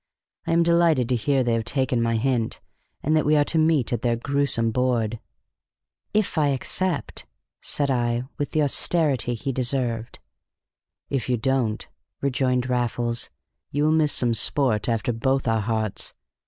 I am delighted to hear they have taken my hint, and that we are to meet at their gruesome board." "If I accept," said I, with the austerity he deserved. "If you don't," rejoined Raffles, "you will miss some sport after both our hearts.